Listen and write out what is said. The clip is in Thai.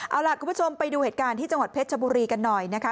เอาล่ะคุณผู้ชมไปดูเหตุการณ์ที่จังหวัดเพชรชบุรีกันหน่อยนะคะ